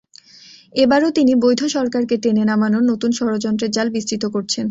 এবারও তিনি বৈধ সরকারকে টেনে নামানোর নতুন ষড়যন্ত্রের জাল বিস্তৃত করছেন।